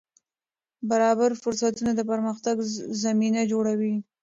برابر فرصتونه د پرمختګ زمینه جوړوي.